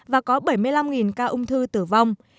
và có bảy mươi năm ca ung thư tử vong